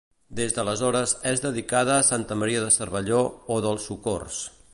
Des d'aleshores és dedicada a Santa Maria de Cervelló o del socors.